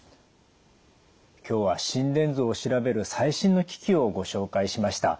今日は心電図を調べる最新の機器をご紹介しました。